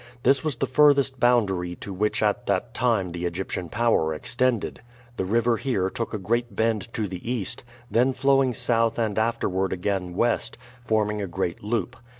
This was the furthest boundary to which at that time the Egyptian power extended. The river here took a great bend to the east, then flowing south and afterward again west, forming a great loop.